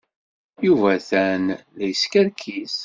Yuba atan la yeskerkis.